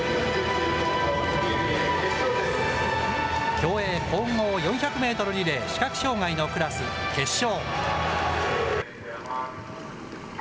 競泳混合４００メートルリレー視覚障害のクラス決勝。